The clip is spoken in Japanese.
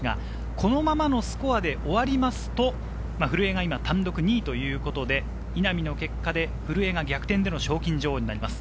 このままのスコアで終わると古江が単独２位ということで、稲見の結果で古江が逆転で賞金女王になります。